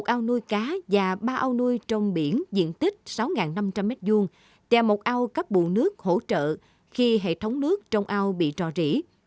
một ao nuôi cá và ba ao nuôi trong biển diện tích sáu năm trăm linh m hai và một ao cắp bù nước hỗ trợ khi hệ thống nước trong ao bị trò rỉ